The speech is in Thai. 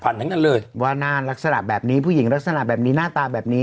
ทั้งนั้นเลยว่าหน้าลักษณะแบบนี้ผู้หญิงลักษณะแบบนี้หน้าตาแบบนี้